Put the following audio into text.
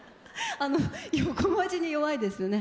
横文字に弱いですよね。